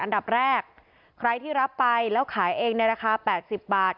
อันดับแรกใครที่รับไปแล้วขายเองในราคา๘๐บาท